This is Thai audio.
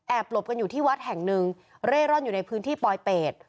หลบกันอยู่ที่วัดแห่งหนึ่งเร่ร่อนอยู่ในพื้นที่ปลอยเป็ด